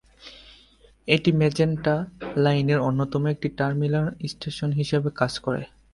এটি ম্যাজেন্টা লাইনের অন্যতম একটি টার্মিনাল স্টেশন হিসাবে কাজ করে।